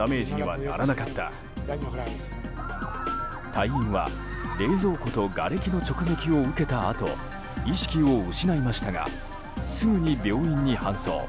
隊員は冷蔵庫とがれきの直撃を受けたあと意識を失いましたがすぐに病院に搬送。